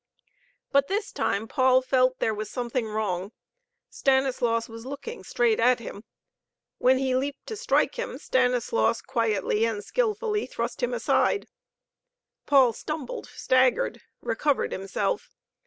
But this time Paul felt there was something wrong. Stanislaus was looking straight at him. When he leaped to strike him, Stanislaus quietly and skillfully thrust him aside. Paul stumbled, staggered, recovered himself.